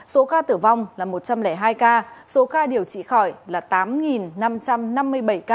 số ca tử vong là một trăm linh hai ca số ca điều trị khỏi là tám năm trăm năm mươi bảy ca